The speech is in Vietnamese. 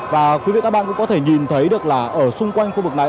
và quý vị các bạn cũng có thể nhìn thấy được là ở xung quanh khu vực này